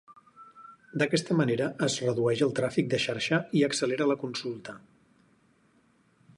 D'aquesta manera es redueix el tràfic de xarxa i accelera la consulta.